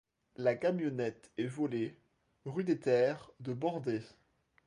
La camionnette est volée rue des Terres de Bordé.